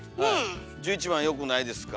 １１番よくないですか。